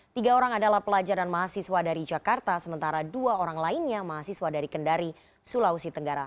tiga orang adalah pelajaran mahasiswa dari jakarta sementara dua orang lainnya mahasiswa dari kendari sulawesi tenggara